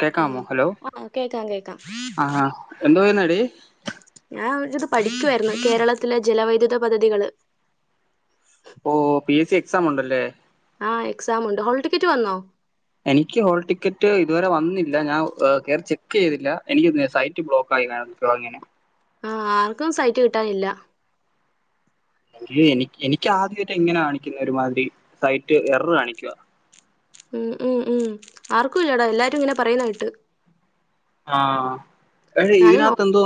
കേക്കാമോ ആഹ് ഹലോ ആഹ് കേക്കാം കേക്കാം എന്ന് പോവാനാടി ഞാൻ ഇത് പഠിക്കുയിരുന്നു കേരളത്തിലെ ജലവൈദ്യുത പദ്ധതികള് ഓ പി എസ് സി എക്സാം ഉണ്ടല്ലേ ആഹ് എക്സാം ഉണ്ട് ഹോൾ ടിക്കറ്റ് വന്നോ എനിക്ക് ഹോൾ ടിക്കറ്റ് ഇതുവരെ വന്നില്ല ഞാൻ കെയറി ചെക്ക് ചെയ്തില്ല എനിക്ക് സൈറ്റ് ബ്ലോക്ക് ആയി മാം അ അങ്ങനെ [unintelligible] ആഹാ ആർക്കും സൈറ്റ് കിട്ടാനില്ല എ എനി എനിക്ക് ആദ്യമായിട്ട് എങ്ങനൊ കാണിക്കുന്നെ ഒരുമാതിരി സൈറ്റ് എറർ കാണിക്കുക ഉം ഉം ഉം ആർക്കുംയില്ലടാ എല്ലാരും ഇങ്ങനെ പറയുന്ന കേട്ട് ആഹ് എടാ ഞാനും നോ ഇതിനാത്ത് എന്തോ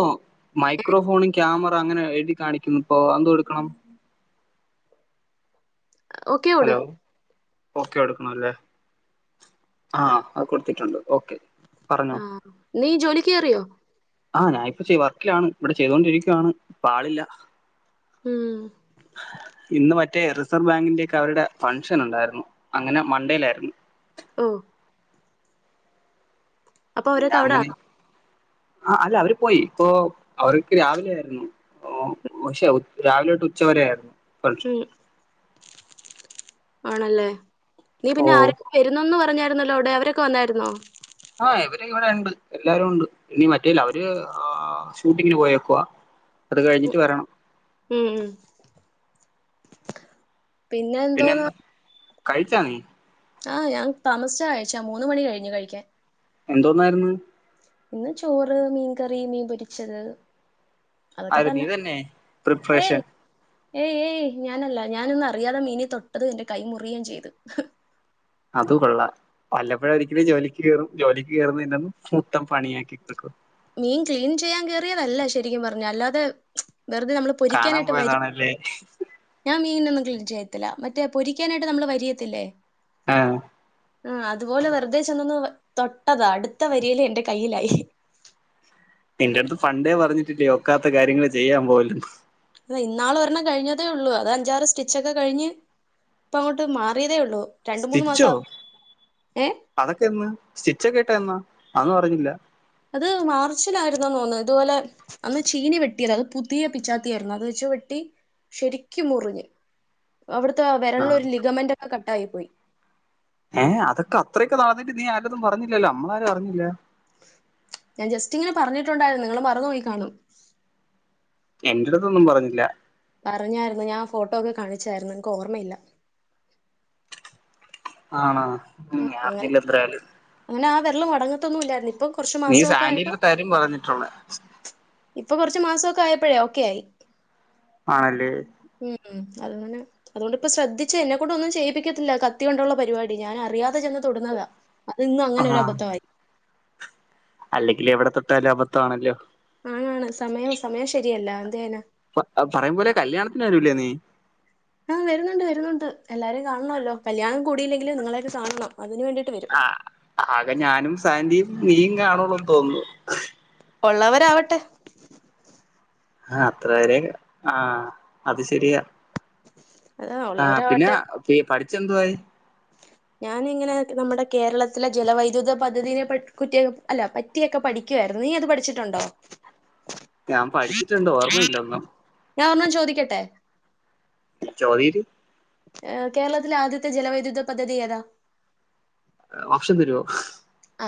മൈക്രോഫോണും ക്യാമറ അങ്ങനെ എഴുതി കാണിക്കുന്നു ഇപ്പൊ ഏത് കൊടുക്കണം ഓക്കെ ഓട് ഹലോ ഓക്കെ കൊടുക്കണം അല്ലേ ആഹാ അത് കൊടുത്തിട്ടുണ്ട് ഓക്കെ പറഞ്ഞോ ആഹ് നീ ജോലിക്ക് കേറിയോ ആഹ് ഞാൻ ഇപ്പൊ ഇച്ചിരി വർക്കിലാണ് ഇവിടെ ചെയ്തൊണ്ടിരിക്കുവയാണ് ഇപ്പ ആളില്ല ഉം ഇന്ന് മറ്റേ [unintelligible] റിസർവ് ബാങ്കിന്റെ ഒക്കെ അവരുടെ ഫംഗ്ഷൻ ഉണ്ടായിരുന്നു അങ്ങനെ മൺഡേയിലായിരുന്നു ഓഹ് അപ്പൊ പിന്നെ അവരൊക്കെ അവിടെ അങ്ങനെ ആണോ ആഹ് അല്ല അവര് പോയി ഇപ്പോ അവർക്ക് രാവിലെ ആയിരുന്നു ഓ പക്ഷേ രാവിലെ തൊട്ട് ഉച്ചവരെ ആയിരുന്നു ഫംഗ്ഷൻ ആണല്ലേ നീ ഓ പിന്നെ ആരൊക്കെ വരുന്നെന്ന് പറഞ്ഞെ രുന്നല്ലോ അവിടെ അവരൊക്കെ വന്നായിന്നോ ആഹ് ഇവര് ഇവിടെ ഉണ്ട് എല്ലാരും ഉണ്ട് ഇനി മറ്റേ ഇല്ല അവര്- ആഹ് ഷൂട്ടിങ്ങിന് പോയേക്കുവ അത് കഴിഞ്ഞിട്ട് വരണം ഉം ഉം പിന്നെ എന്താ കഴിച്ചാ നീ ആഹ് ഞാൻ താമിസിച്ച കഴിച്ചെ മൂന്ന് മണി കഴിഞ്ഞു കഴിക്കാൻ എന്തോന്നായിരുന്നു ഇന്ന് ചോറ് മീൻകറി മീൻ പൊരിച്ചത് അതൊക്കെ ആര് നീ തന്നെ ഏയ് പ്രിപ്പറേഷൻ ഏയ് ഏയ് ഞാനല്ല ഞാനൊന്ന് അറിയാതെ മീനി തൊട്ടതും എന്റെ കൈ മുറിയെയും ചെയ്ത് അത് കൊള്ളാം വല്ലപ്പോഴും ഒരിക്കൽ ജോലിക്ക് കേറും ജോലിക്ക് കേറുന്നതിന്റെ അന്ന് മൊത്തം പണിയാക്കി കൊടുക്കും മീൻ ക്ലീൻ ചെയ്യാൻ കേയറിയതല്ല ശരിക്കും പറഞ്ഞ അല്ലാതെ വെറുതെ നമ്മള്- കാണാൻ പൊരിക്കാനായിട്ട് വരി പോയതാണല്ലേ ഞാൻ മീനൊന്നും ക്ലീൻ ചെയ്യത്തില്ല മറ്റേ പൊരിക്കാനായിട്ട് നമ്മള് വരിയത്തില്ലേ ആഹ് ആഹ് അതുപോലെ വെറുതെ ചെന്നൊന്ന് തൊട്ടതാ അടുത്ത വരിയില് എന്റെ കയ്യിലായി നിന്റെ അടുത്ത് പണ്ടേ പറഞ്ഞിട്ടില്ലേ ഒക്കാത്ത കാര്യങ്ങള് ചെയ്യാൻ പോവല്ലെന്ന്. ഇന്നാള് ഒരെണ്ണം കഴിഞ്ഞതെ ഒള്ളു. അത് അഞ്ചാറ് സ്റ്റിച്ചോക്കെകഴിഞ്ഞ് ഇപ്പ അങ്ങോട്ട് മാറിയതേ ഒള്ളൂ. സ്റ്റിച്ചോ, അതൊക്കെ എന്ന്. സ്റ്റിച്ചൊക്കെ ഇട്ട എന്നാ അതൊന്നും അറിഞ്ഞില്ല. അത് മാർച്ചിലായിരുന്നു എന്ന് തോന്നുന്നു. ഇതുപോലെ അന്ന് ചീനി വെട്ടിയത. അത് പുതിയ പിച്ചാത്തിയാരുന്നു. അത് വെച്ച വെട്ടി ശകരിക്കും മുറിഞ്ഞ്. അവിടുത്തെ ആ വെരൾലൊരു ലിഗമെന്റോക്കെ കട്ടായി പോയി. ഏ അതൊക്കെ അത്രെക്കെ നടന്നിട്ട് നീ ആരടുത്തും പറഞ്ഞില്ലല്ലൊ. ഞമ്മളാരും അറിഞ്ഞില്ല. ഞാൻ ജസ്റ്റ് ഇങ്ങനെ പറഞ്ഞിട്ടുണ്ടായിരുന്നു. നിങ്ങള് മറന്നോയ് കാണും. എന്റെടുത്തൊന്നും പറഞ്ഞില്ല. പറഞ്ഞായിരുന്നു. ഞാൻ ആ ഫോട്ടോ ഒക്കെ കാണിച്ചായിരുന്നു ഇൻക്ക് ഓർമ്മയില്ല. ആണ്. ആഹ് ഞാൻ അങ്ങനെ അറിഞ്ഞില്ല ഇത്രേല് അങ്ങനെ ആ വെരല് മടങ്ങത്തൊന്നും ഇല്ലായിരുന്നു. ഇപ്പം നീ സാൻഡിയുടെ തരും പറഞ്ഞിട്ടുള്ളെ ഇപ്പൊ കൊറ്ച്ച് മാസക്കെ ആയപ്പഴേ ഓക്കെ ആയി. ആണെല്ലേ. ഉം അത് ഇങ്ങനെ അതുകൊണ്ട് ഇപ്പം ശ്രദ്ധിച്ച് എന്നെക്കൊണ്ടൊന്നും ചെയ്യിപ്പിക്കത്തില്ല. കത്തി കൊണ്ടുള്ള പരിപാടി. ഞാൻ അറിയതെചെന്ന് തൊടുന്നത. അത് ഇന്ന് അങ്ങനെ ഒരു അബദ്ധവായി. അല്ലെങ്കില് എവിടെ തൊട്ടാലും അബദ്ധ വാണല്ലോ. ആണ് ആണ്. സമയം സമയം ശെരിയല്ല എന്തെയ്യാന പറയും പോലെ കല്യാണത്തിന് വരുലേ നീ ആ വരുന്നുണ്ട് വരുന്നുണ്ട്. എല്ലാരും കാണണോല്ലോ. കല്യാണം കൂടിയില്ലെങ്കിലും നിങ്ങളക്കെ കാണണം. അതിന് വേണ്ടിയിട്ട് വെരും. ആ ആകെ ഞാനും സാൻഡിയും നീയും കാണുള്ളൂന്ന് തോന്ന്ണു. ഉള്ളവരാവട്ടെ. ആ അത്രവെരെ. ആ അത് ശെരിയാ അതാ ആഹ് പിന്നെ ഉള്ളവരാവട്ടെ ഈ പഠിച്ചെന്തുവായി. ഞാനിങ്ങനെ നമ്മുടെ കേരളത്തിലെ ജലവൈദ്യുത പദ്ധതിനെ കുറ്റിയ അല്ല പറ്റി പറ്റിയൊക്കെ പഠിക്കായിരുന്നു. നീ അത് പഠിച്ചിട്ടുണ്ടോ ഞാൻ പഠിച്ചിട്ടുണ്ട് ഓർമ്മയില്ല ഒന്നും ഞാൻ ഒരണ്ണം ചോദിക്കട്ടെ. ചോദീര് ഏ കേരളത്തിലെ ആദ്യത്തെ ജലവൈദ്യുത പദ്ധതി ഏതാ. ഓപ്ഷൻ തരോ.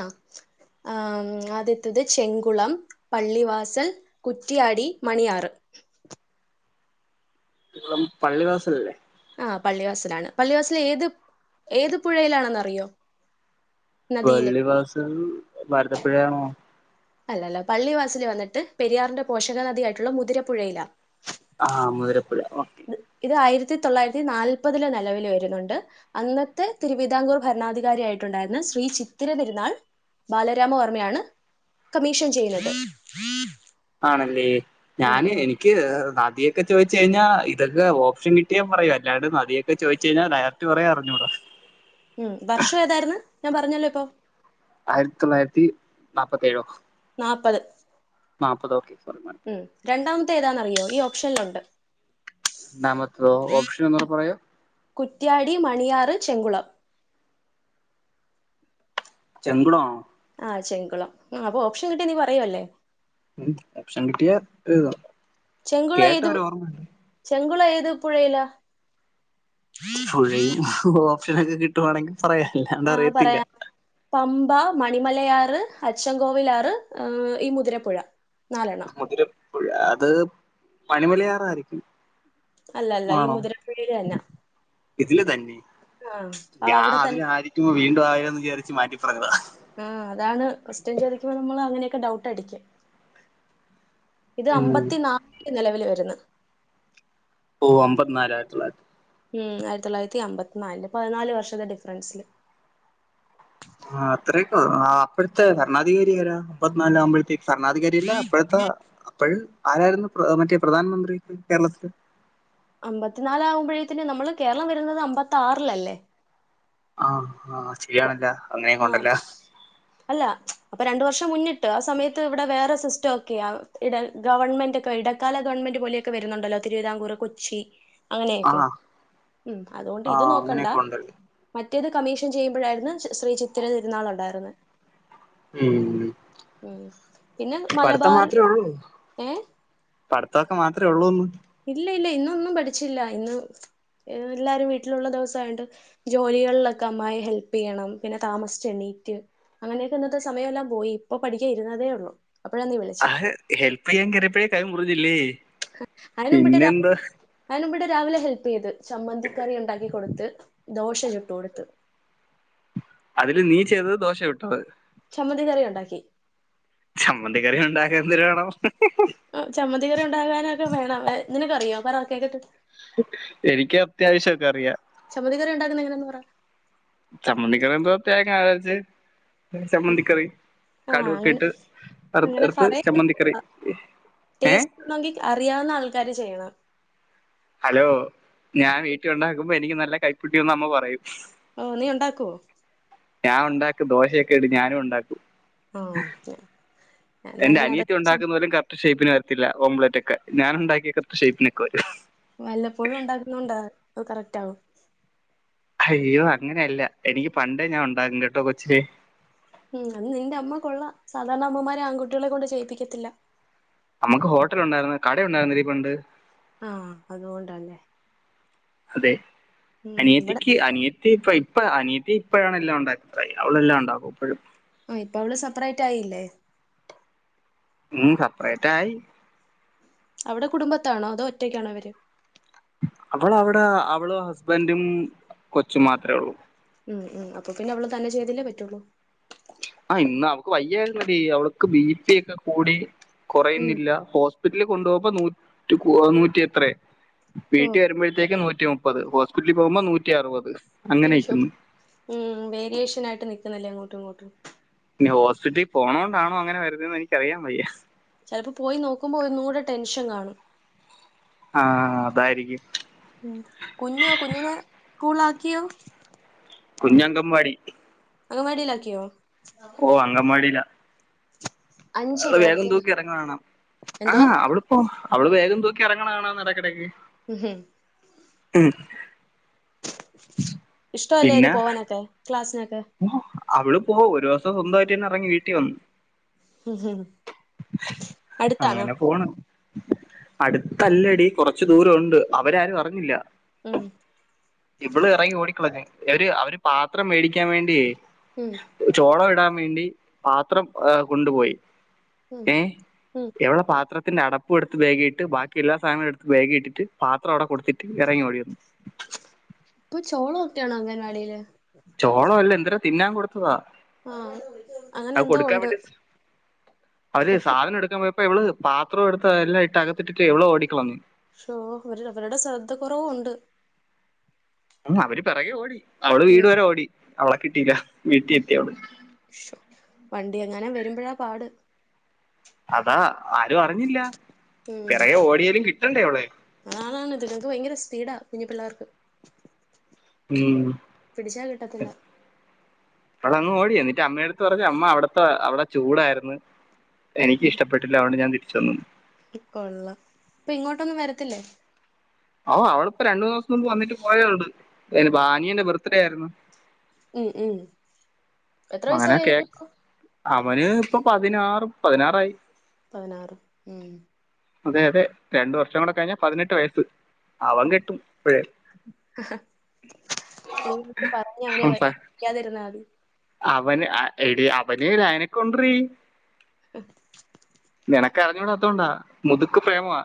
ആഹ് ആ ആദ്യത്തത് ചെങ്കുളം. പള്ളിവാസൽ, കുറ്റ്യാടി, മണിയാറ് പള്ളിവാസൽ അല്ലെ. ആ പള്ളിവാസലാണ്. പള്ളിവാസൽ ഏത് ഏത് പുഴയിലാണെന്ന് അറിയോ. പള്ളിവാസൽ ഭാരതപ്പുഴയാണോ. അല്ലല്ല പള്ളിവാസല് വന്നിട്ട് പെരിയാറിന്റെ പോഷക നദി ആയിട്ടുള്ള മുതിരപ്പുഴയിലാ, ആഹ് മുതിരപ്പുഴ ഇത് ആയിരത്തി തൊള്ളായിരത്തി നാല്പതില് നിലവിൽ വരുന്നുണ്ട് അന്നത്തെ തിരുവിതാംകൂർ ഭരണാധികാരി ആയിട്ടുണ്ടായിരുന്ന ശ്രീ ചിത്തിര തിരുന്നാൾ. ബാലരാമവർമ്മയാണ് കമ്മീഷൻ ചെയ്യുന്നത്. ആണെല്ലേ. ഉം ഞാന് ഉം എനിക്ക് ക്ക് നദിയൊക്കെ ചോയ്ച്ചഴിഞ്ഞാ ഇതൊക്കെ ഓപ്ഷൻ കിട്ടിയാ പറയും അല്ലാണ്ട് നദിയൊക്കെ ചോയ്ച്ചഴിഞ്ഞാ [unintelligible] റ്റു പറയാ അറിഞ്ഞുടാ ഉം വർഷം ഏതായിരുന്ന് ഞാൻ പറഞ്ഞല്ലോ ഇപ്പൊ ആയിരത്തി തൊള്ളായിരത്തി നാപ്പത്തേഴോ നാപ്പത് ന്നാപ്പത് ഓക്കെ [unintelligible] ഉം രണ്ടാമത്തെ ഏതാന്നറിയോ ഈ ഓപ്ഷനിലുണ്ട് ണ്ടാമത്തതോ ഓപ്ഷൻ ഒന്നൂടെ പറയ് കുറ്റ്യാടി, മണിയാറ്, ചെങ്കുളം ചെങ്കുളമാണോ ആ ചെങ്കുളം ആ അപ്പൊ ഓപ്ഷൻ കിട്ടിയാ നീ പറയുവല്ലേ ഉം ഓപ്ഷൻ കിട്ടിയാ എഴുതാം ചെങ്കുള ഏത് ചെങ്കുള ഏത് പുഴയിലാ പുഴയും ഓപ്ഷനക്കെ കിട്ടുവാണെങ്കിൽ പറയാ അല്ല ആ അത് പറയാം പമ്പ, മണിമലയാറ്, അച്ചൻകോവിലാറ്, ഈ മുതിരപ്പുഴ. നാലെണ്ണം മുതിരപ്പുഴ അത് മണിമലയാറായിരിക്കും അല്ല അല്ല ഈ ആണോ മുതിരക്കുഴിയ്ല് അല്ല ഇതില് തന്നെ ഞാൻ അവിടെ തന്നെ അതിലായിരിക്കുമ്പോ വീണ്ടും ആയോന്ന് വിചാരിച്ചു മാറ്റിപ്പറഞ്ഞത ആ അതാണ് കൊസ്റ്റ്ൻ ചോദിക്കുമ്പോ നമ്മള് അങ്ങനെയൊക്കെ ഡൗട്ടടിയ്ക്കും ഇത് ഉം അമ്പത്തി നാല് ല് നിലവില് വര്ന്ന് ഓ അമ്പത്തിനാലായിര്ട്ടുള്ള ഉം ആയിരത്തി തൊള്ളായിരത്തി അമ്പത്തിനാല് ല് പതിനാല് വർഷത്തെ ഡിഫറൻസില് ആ അത്രക്ക ആ അപ്പഴത്തെ ഭരണാധികാരി ആരാ അമ്പത്തിനാല് ആകുമ്പഴത്തേക്കും ഭരണാധികാരിയല്ല അപ്പഴത്തെ അപ്പഴ് ആരായിരുന്നു മറ്റേ പ്രധാനമന്ത്രി കേരളത്തില് അമ്പത്തിനാലാകുമ്പഴേത്തിന് നമ്മള് കേരളം വരുന്നത് അമ്പത്തി ആറിലല്ലേ ആ ആ അപ്പൊ ശരിയാണല്ല അങ്ങനെയും ആ കൊണ്ടല്ലാ അല്ല അപ്പൊ രണ്ടു വർഷം മുന്നിട്ട് ആ സമയത്ത് ഇവിടെ വേറെ സിസ്റ്റം ഒക്കെയാ ഇട ഗവൺമെന്റ്ക്കെ ഇടക്കാല ഗവൺമെന്റ് പോലെയൊക്കെ വരുന്നുണ്ടല്ലോ തിരുവിതാംകൂർ കൊച്ചി ആ അങ്ങനെയൊക്കെ ഉം അതുകൊണ്ട് ആ ഇത് നോക്കണ്ടാ അങ്ങനെയൊക്കെ ഉണ്ടല്ലേ മറ്റേത് കമ്മീഷൻ ചെയ്യുമ്പഴായിരുന്ന് ശ്രീ ചിത്തിര തിരുന്നാൾ ഉണ്ടായിരുന്നേ ഉം ഉം പിന്നെ പഠിത്തം മലബാർ മാത്രമേ ഉള്ളൂ ഏ പഠിത്തമൊക്കെ മാത്രേ ഒള്ളൂന്ന് ഇല്ല ഇല്ല ഇന്നൊന്നും പഠിച്ചില്ല ഇന്ന് എല്ലാരും വീട്ടിലുള്ള ദിവസ ആയോണ്ട് ജോലികളിലൊക്കെ അമ്മായിയേ ഹെൽപ് ചെയ്യണം പിന്നെ താമസിച്ച് എണ്ണീറ്റ് അങ്ങനെയൊക്കെ ഇന്നത്തെ സമയമെല്ലാം പോയി ഇപ്പൊ പഠിക്കാ ഇരുന്നതേ ഉള്ളു അപ്പഴാ നീ വിളിച്ചേ ഹെൽപ് ചെയ്യാൻ കയറിയപ്പഴേ കൈ മുറിഞ്ഞില്ലേ അയിന് മുമ്പട്ട് പിന്നെന്താ അയിന് മുമ്പട്ട് രാവിലെ ഹെൽപ് ചെയ്ത് ചമ്മന്തിക്കറി ഉണ്ടാക്കി കൊടുത്ത് ദോശ ചുട്ടു കൊടുത്ത് അതില് നീ ചെയ്തത് ദോശ ചുട്ടത് ചമ്മന്തി കറി ഉണ്ടാക്കി ചമ്മന്തി കറി ഉണ്ടാക്കാൻ എന്ത് ര് വേണം ഓ ചമ്മതികറി ഉണ്ടാകാനൊക്കെ വേണം എ നിനക്കറിയോ പറ കേക്കട്ട് എനിക്ക് അത്യാവശ്യൊക്കെ അറിയാം ചമ്മന്തിക്കറി ഒണ്ടാക്കുന്നെ എങ്ങനെയാ പറാ ചമ്മന്തിക്കറി എന്തുവാ തേങ്ങ അരച്ച് ഉം. ചമ്മന്തിക്കറി ആ കടുവൊക്കെ അങ്ങനെ ഇട്ട് അങ്ങനെ വറത്തെടുത്ത് പറയാ ചമ്മന്തി കറി ഏഹ് ണോങ്കി അറിയാവുന്ന ആൾക്കാര് ചെയ്യണം ഹലോ ഞാൻ വീട്ടി ഒണ്ടാക്കുമ്പോ എനിക്ക് നല്ല കൈപ്പുണ്യവാന്ന് അമ്മ പറയും ഓഹ് നീ ഒണ്ടാക്കുവോ? ഞാൻ ഒണ്ടാക്കും ദോശയൊക്കെ ഇടി ഞാനും ഒണ്ടാക്കും ആഹ് ഒക്കെ എന്റെ അനിയത്തി ഒണ്ടാക്കുന്നതിലും കറക്റ്റ് ഷേപ്പിന് വരത്തില്ലാ ഓംപ്ലെയിറ്റൊക്കെ ഞാൻ ഒണ്ടാക്കിയ കറക്റ്റ് ഷേയ്പ്പിനൊക്കെ വരും വല്ലപ്പോഴും ഒണ്ടാക്കുന്ന കൊണ്ടാ അത് കറക്റ്റാവും അയ്യോ അങ്ങനെയല്ലാ എനിക്ക് പണ്ടേ ഞാൻ ഒണ്ടാകും കേട്ടോ കൊച്ചോ ഉം അത് നിന്റെ അമ്മ കൊള്ളാം സാധാരണ അമ്മമാര് ആൺകുട്ടികളെ കൊണ്ട് ചെയ്യിപ്പിക്കത്തില്ലാ അമ്മക്ക് ഹോട്ടൽ ഒണ്ടായിരുന്നു കട ഒണ്ടായിരുന്നെടി പണ്ട് ആഹ് അതുകൊണ്ടാല്ലേ അതെ ഉം ഇവിടെ അനിയത്തിക്ക് അനിയൻ ത്തി ഇപ്പ ഇപ്പ അനിയത്തി ഇപ്പഴാണ് എല്ലാം ഒണ്ടാക്കുന്നത് അവളെല്ലാം ഒണ്ടാക്കും ഇപ്പഴും ആഹ് ഇപ്പൊ അവള് സെപ്പറേറ്റ് ആയില്ലേ? ഉം സെപ്പറേറ്റായി അവിടെ കുടുംബത്താണോ അതോ ഒറ്റയ്ക്കാണോ അവര്? അവൾ അവിടെ അവളും ഹസ്ബന്റും കൊച്ചും മാത്രേ ഒള്ളൂ ഉം ഉം അപ്പൊ പിന്നെ അവള് തന്നെ ചെയ്തല്ലേ പറ്റോള്ളൂ ആഹ് ഇന്ന് അവക്ക് വയ്യായിരുന്നെടി അവൾക്ക് ബി പി ഒക്കെ കൂടി ഉം കൊറയുന്നില്ലാ ഹോസ്പിറ്റലിൽ കൊണ്ടുപോകുമ്പോ നൂറ്റ് ഏഹ് നൂറ്റി എത്രയെ വീട്ടി ഓഹ് വരുമ്പഴത്തേക്ക് നൂറ്റി മുപ്പ മുപ്പത് ഹോസ്പിറ്റലിൽ പോകുമ്പോ നൂറ്റി അറുപത് അങ്ങനെ ഇശോ ഇരിക്കുന്നു ഉം വേരിയേഷൻ ആയിട്ട് നിക്കുന്നല്ലേ അങ്ങോട്ടും ഇങ്ങോട്ടും പിന്നെ ഹോസ്പിറ്റലി പോണോണ്ടാണോ അങ്ങനെ വരുന്നതെന്ന് എനിക്കറിയാൻ വയ്യാ ചെലപ്പം പോയി നോക്കുമ്പോ ഒന്നും കൂടെ ടെൻഷൻ കാണും ആഹ് അതായിരിക്കും ഉം കുഞ്ഞോ കുഞ്ഞിനെ സ്കൂളിൽ ആക്കിയോ? കുഞ്ഞ് അംഗവാടി അംഗൻവാടിയിലാക്കിയോ? ഓഹ് അംഗൻവാടിയിലാ അഞ്ച് അവള് ബാഗും ഇരുപത്തി തൂക്കി എറങ്ങണ കാണാം എന്തുവാ ആഹ് അവള് ഓഹ് അവള് ബാഗും തൂക്കി എറങ്ങണ കാണാന്ന് എടെക്കെടക്ക് ഹ ഉം ഇഷ്ട്ടവല്ലേ അയ്ന് പോവാനൊക്കെ ക്ലാസ്സിനൊക്കെ? ഓഹ് അവള് പോകും ഒരു ദിവസം സ്വന്തായിട്ട് തന്നെ എറങ്ങി വീട്ടി വന്നു ഉം. അടുത്താണോ അങ്ങനെ പോണ് അടുത്തല്ലെടി കൊറച്ച് ദൂരം ഒണ്ട് അവരാരും അറിഞ്ഞില്ലാ ഉം ഇവള് എറങ്ങി ഓടിക്കളഞ്ഞ് എവര് അവര് പാത്രം മേടിക്കാൻ വേണ്ടിയേ ഉം ചോളം ഇടാൻ വേണ്ടി പാത്രം ആഹ് കൊണ്ടുപോയി ഉം ഏഹ് ഉം എവളെ പാത്രം ഇതിന്റെ അടപ്പ് എടുത്ത് ബാഗിട്ട് ബാക്കി എല്ലാ സാധനങ്ങൾ എടുത്ത് ബാഗി ഇട്ടിട്ട് പാത്രം അവിടെ കൊടുത്തിട്ട് ഇറങ്ങി ഓടി വന്നു ഇപ്പൊ ചോള ഒക്കെ ആണോ അംഗൻവാടിയില് ചോളോ അല്ല എന്തിനാ തിന്നാൻ കൊടുത്തതാ ആഹ് അങ്ങനെ അത് എന്തോ കൊടുക്കാൻ ഉണ്ട് വേണ്ടി അവര് ഉപ്പ് സാധനം എടുക്കാൻ പോയ അപ്പ ഇവള് പത്രം എടുത്ത് എല്ലാം ഇട്ട് അകത്തിട്ട് ഇവള്ഓടികളഞ്ഞു ശോ ഇവരുടെ ശ്രദ്ധ കുറവും ഉണ്ട് അവര് പിറകെ ഓടി അവള് വീട് ഉം വരെ ഓടി അവളെ കിട്ടീല്ല വീട്ടി എത്തി അവള്. ശ് വണ്ടി എങ്ങാനും വരുമ്പോഴാ പാട് അതാ ആരും അറിഞ്ഞില്ല പിറകെ ഓടിയലും കിട്ടണ്ടേ അവളെ ആണാണ് ഇത്ങ്ങൾക്ക് ഭയങ്കര സ്പീടാ കുഞ്ഞു പിള്ളേർക്ക് ഉം പിടിച്ചാ കിട്ടത്തില്ല ഏഹ് അവളങ്ങ് ഓടി എന്നിട്ട് അമ്മയടുത്ത് പറഞ്ഞ് അമ്മ അവിടുത്ത് പറഞ്ഞു അമ്മ അവിടെ ചൂടായിരുന്നു എനിക്ക് ഇഷ്ടപ്പെട്ടി യില്ല അതോണ്ട് ഞാൻ തിരിച്ച് വന്നു. ട്ടി കൊള്ളാം ഇപ്പൊ ഇങ്ങോട്ടൊന്നും വരത്തില്ലേ? ഓ അവളിപ്പോ രണ്ടൂ ദിവസം മുമ്പ് വന്നിട്ട് പോയതൊള്ളൂ ഏഹ് ബാനിന്റെ ബർത്ത്ഡേ ആയിരുന്നു ഉം ഉം എത്ര അങ്ങനെ വയസായി കേ അനിയനിപ്പോ അവന് ഇപ്പൊ പതിനാറ് പതിനാറായി. പതിനാറ് ഉം അതെ അതെ രണ്ടു വർഷം കൂടെ കഴിഞ്ഞാൽ പതിനെട്ട് വയസ്സ് അവൻ കെട്ടും ഇപ്പോഴേ നീയിപ്പോ പറഞ്ഞ അവനെ [unintelligible] ക്കാതിരുന്നാ മതി അവന് ആഹ് എടി അവന് [unintelligible] കൊണ്ടടീ നിനക്ക് അറിഞ്ഞൂടാത്തോണ്ടാ മുതുക്ക് പ്രേമമാ